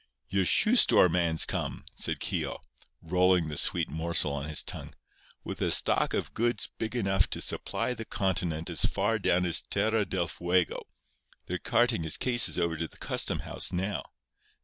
"Your shoe store man's come," said Keogh, rolling the sweet morsel on his tongue, "with a stock of goods big enough to supply the continent as far down as Terra del Fuego. They're carting his cases over to the custom house now.